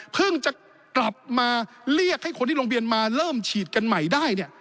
จะกลับมาเรียกให้คนที่โรงเรียนมาเริ่มฉีดกันใหม่ได้เนี่ย